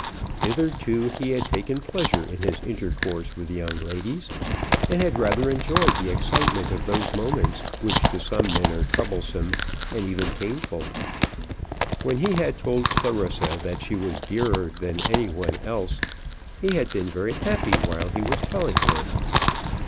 Hitherto he had taken pleasure in his intercourse with young ladies, and had rather enjoyed the excitement of those moments which to some men are troublesome and even painful. When he had told Clarissa that she was dearer than any one else, he had been very happy while he was telling her.